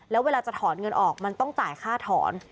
แล้วเวลาจะถอนเงินออกมันต้องจ่ายค่าถอน